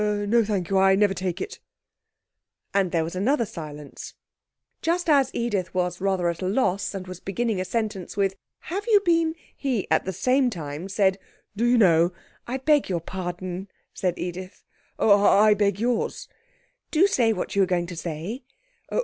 'No, thank you. I never take it.' And there was another silence. Just as Edith was rather at a loss, and was beginning a sentence with 'Have you been ' he at the same time said 'Do you know ?' 'I beg your pardon,' said Edith. 'Oh, I beg yours.' 'Do say what you were going to say.'